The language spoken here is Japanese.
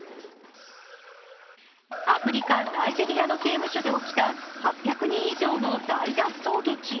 アフリカ・ナイジェリアの刑務所で起きた８００人以上の大脱走劇。